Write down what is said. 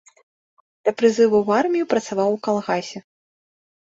Да прызыву ў армію працаваў у калгасе.